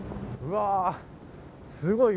すごい。